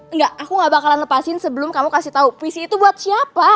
enggak aku gak bakalan lepasin sebelum kamu kasih tahu puisi itu buat siapa